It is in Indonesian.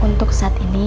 untuk saat ini